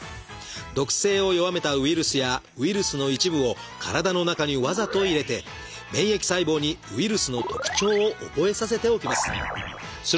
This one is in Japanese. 毒性を弱めたウイルスやウイルスの一部を体の中にわざと入れて免疫細胞にウイルスの特徴を覚えさせておきます。